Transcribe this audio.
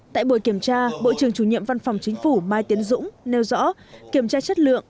tại buổi kiểm tra bộ trưởng chủ nhiệm văn phòng chính phủ mai tiến dũng nêu rõ kiểm tra chất lượng